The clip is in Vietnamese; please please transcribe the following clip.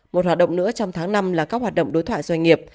một hoạt động nữa trong tháng năm là các hoạt động đối thoại doanh nghiệp